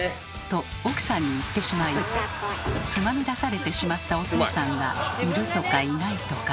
と奥さんに言ってしまいつまみ出されてしまったおとうさんがいるとかいないとか。